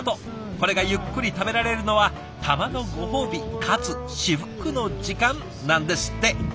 これがゆっくり食べられるのはたまのご褒美かつ至福の時間なんですって。